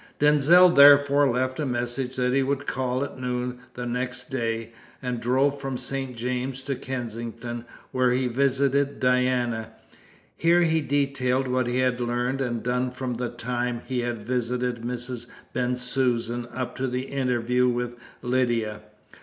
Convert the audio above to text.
Denzil therefore left a message that he would call at noon the next day, and drove from St. James's to Kensington, where he visited Diana. Here he detailed what he had learned and done from the time he had visited Mrs. Bensusan up to the interview with Lydia.